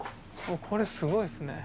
これすごいっすね。